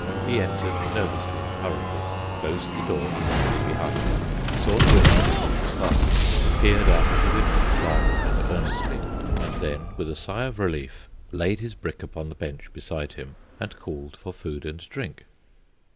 He entered nervously and hurriedly, closed the door carefully behind him, saw to it that it was fastened, peered out of the window long and earnestly, and then, with a sigh of relief, laid his brick upon the bench beside him and called for food and drink.